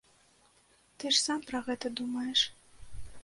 Ты ж сам пра гэта думаеш.